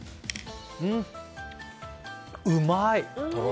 うん、うまい！